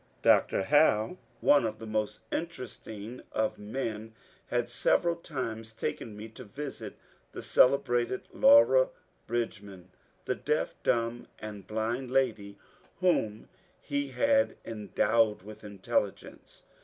Dr. Howe, one of the most interesting of men, had several times taken me to visit the celebrated Laura Bridgman, the deaf, dumb, and blind lady whom he had en dowed with intelligence.